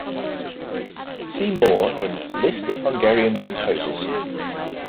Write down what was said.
See more in List of Hungarian composers.